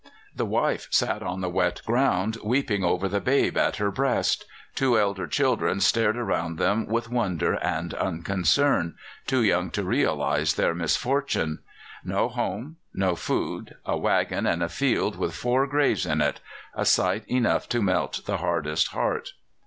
The wife sat on the wet ground, weeping over the babe at her breast. Two elder children stared around them with wonder and unconcern too young to realize their misfortune. No home, no food, a waggon and a field with four graves in it a sight enough to melt the hardest heart."